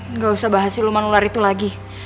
nggak usah bahas siluman ular itu lagi